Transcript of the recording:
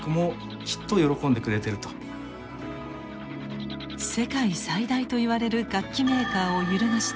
世界最大といわれる楽器メーカーを揺るがした黒歴史。